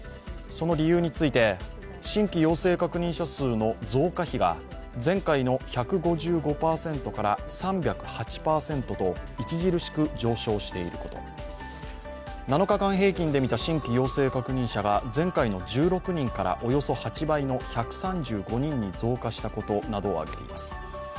その理由について新規陽性確認者数の増加比が、前回の１５５％から３０８％と、著しく上昇していること、７日間平均で見た新規陽性確認者は前回の１６人からおよそ８倍の１３５人に増加したことなどを挙げています。